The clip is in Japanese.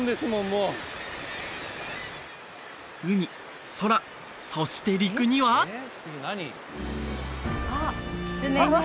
もう海空そして陸にはあっ！